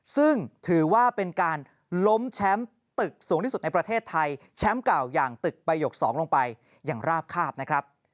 ซึ่งถือว่าเป็นการล้มแชมป์ตึกสูงที่สุดในประเทศไทยแชมป์เก่าอย่างตึกประโยค๒ลงไปอย่างราบคาบนะครับ